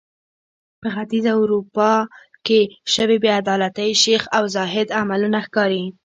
په ختیځه اروپا کې شوې بې عدالتۍ شیخ او زاهد عملونه ښکاري.